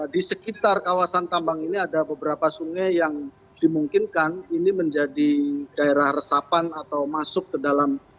di sekitar kawasan tambang ini ada beberapa sungai yang dimungkinkan ini menjadi daerah resapan atau masuk ke dalam